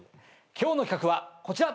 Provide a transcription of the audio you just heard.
今日の企画はこちら。